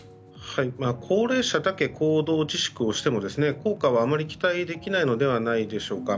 高齢者だけ行動自粛をしても効果はあまり期待できないのではないでしょうか。